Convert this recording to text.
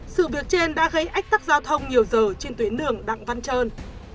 sự việc trên đã gây ách tắc giao thông nhiều giờ trên tuyến đường đặng văn trơn